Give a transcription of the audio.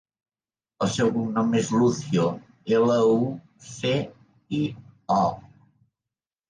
El seu cognom és Lucio: ela, u, ce, i, o.